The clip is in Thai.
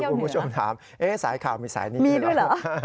เดี๋ยวคุณผู้ชมถามสายขาวมีสายนี้ด้วยเหรอ